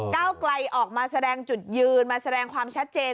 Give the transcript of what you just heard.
เก้าไกลออกมาแสดงจุดยืนมาแสดงความชัดเจน